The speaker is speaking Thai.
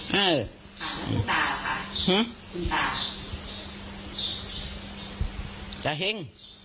ชื่อประโยชน์